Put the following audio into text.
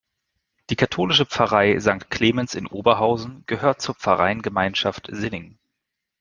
Die katholische Pfarrei Sankt Clemens in Oberhausen gehört zur Pfarreiengemeinschaft Sinning.